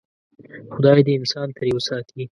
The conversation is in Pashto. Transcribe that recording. خدای دې انسان ترې وساتي.